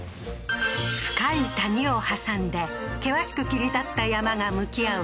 深い谷を挟んで険しく切り立った山が向き合う